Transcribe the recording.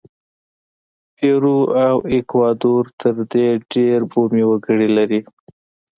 پیرو او ایکوادور تر دې ډېر بومي وګړي لري.